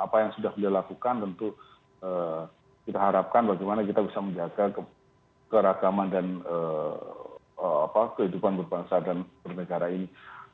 apa yang sudah beliau lakukan tentu kita harapkan bagaimana kita bisa menjaga keragaman dan kehidupan berbangsa dan bernegara ini